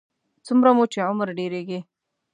څومره مو چې عمر ډېرېږي.